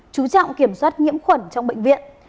chú trọng kiểm soát nhiễm khuẩn trong bệnh viện